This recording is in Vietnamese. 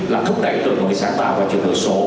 là thúc đẩy tuổi nội sản tạo và truyền hợp số